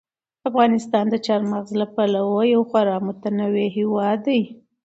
افغانستان د چار مغز له پلوه یو خورا متنوع هېواد دی.